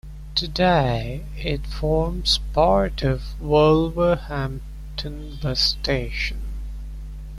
Today, it forms part of Wolverhampton bus station.